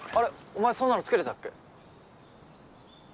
お前そんなの着けてたっけ？